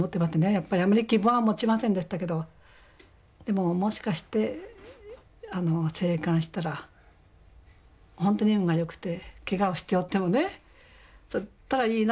やっぱりあまり希望は持ちませんでしたけどでももしかして生還したら本当に運がよくてケガをしておってもねそしたらいいなと思いましたね。